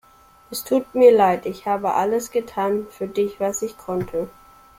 Es tut mir leid, ich habe alles getan für dich was ich konnte.